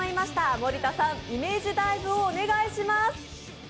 盛田さん、イメージダイブをお願いします。